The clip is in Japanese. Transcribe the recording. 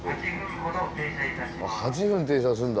８分停車するんだ。